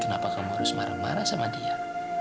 kenapa kamu harus marah marah sama dia